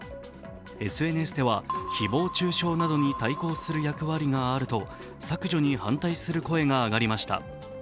ＳＮＳでは誹謗中傷などに対抗する役割があると削除に反対する声が上がりました。